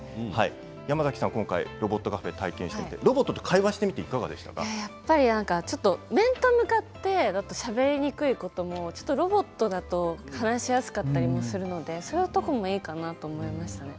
山崎さん、今回ロボットカフェロボットと会話してみて面と向かってだとしゃべりにくいこともロボットだと話しやすかったりするのでそういうところもいいかなと思いましたね。